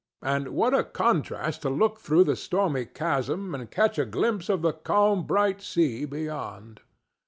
And what a contrast to look through the stormy chasm and catch a glimpse of the calm bright sea beyond!